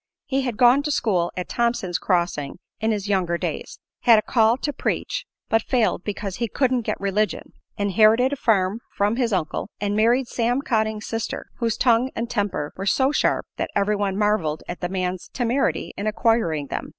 He had gone to school at Thompson's Crossing in his younger days; had a call to preach, but failed because he "couldn't get religion"; inherited a farm from his uncle and married Sam Cotting's sister, whose tongue and temper were so sharp that everyone marveled at the man's temerity in acquiring them.